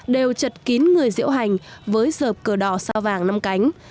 đều chật kín người diễu hành với dợp cửa đỏ sao vàng năm cánh